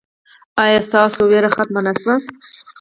ایا ستاسو ویره ختمه نه شوه؟